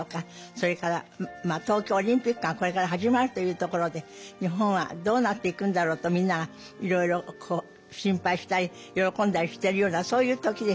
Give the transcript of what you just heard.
それから東京オリンピックがこれから始まるというところで日本はどうなっていくんだろうとみんながいろいろ心配したり喜んだりしてるようなそういう時でした。